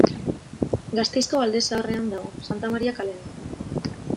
Gasteizko Alde Zaharrean dago, Santa Maria kalean.